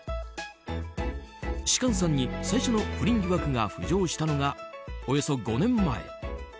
芝翫さんに最初の不倫疑惑が浮上したのがおよそ５年前。